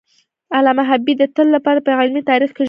علامه حبیبي د تل لپاره په علمي تاریخ کې ژوندی پاتي دی.